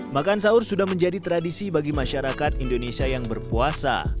makan sahur sudah menjadi tradisi bagi masyarakat indonesia yang berpuasa